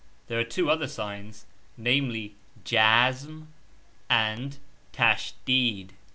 There are two other signs, namely () djazm, and () tashdeed.